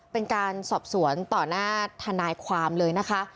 เป็นการสอบสวนต่อหน้าทนายความเลยนะคะ